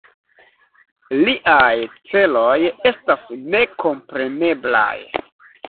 Liaj celoj estas nekompreneblaj.